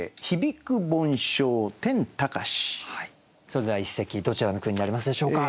それでは一席どちらの句になりますでしょうか？